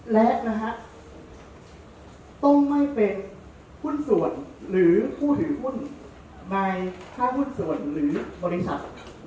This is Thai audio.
และต้องไม่เป็นหุ้นส่วนหรือผู้ถือหุ้นในค่าหุ้นส่วนหรือบริษัท